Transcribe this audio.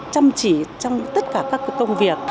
chăm chỉ trong tất cả các công việc